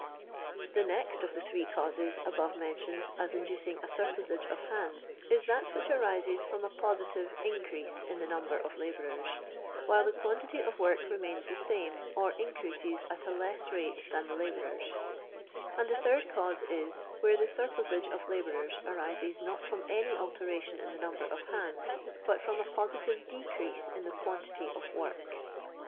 The next of the three causes, above mentioned as inducing a surplusage of hands, is that which arises from a positive increase in the number of labourers, while the quantity of work re mains the same or increases at a less rate than the labourers; and the third cause is, where the sur plusage of labourers arises not from any alteration in the number of hands, but from a positive decrease in the quantity of work.